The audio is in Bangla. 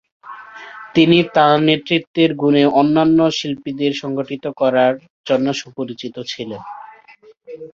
তিনি তাঁর নেতৃত্বের গুণে অন্যান্য শিল্পীদের সংগঠিত করার জন্য সুপরিচিত ছিলেন।